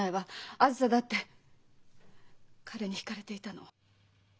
あづさだって彼に引かれていたの。